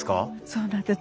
そうなんです。